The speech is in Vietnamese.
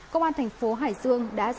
công an tp hải dương đã ra quy định